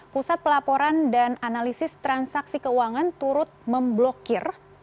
pusat pelaporan dan analisis transaksi keuangan turut memblokir